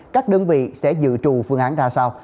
các đơn vị sẽ dự trù phương án ra sao